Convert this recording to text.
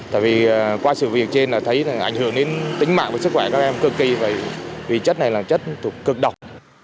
tại vì qua sự việc trên là thấy ảnh hưởng đến tính mạng và sức khỏe các em cực kỳ vì chất này là chất thuộc cực độc